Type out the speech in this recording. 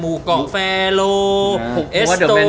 มูกองแฟโลเอสโตเนีย